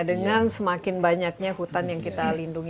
dengan semakin banyaknya hutan yang kita lindungi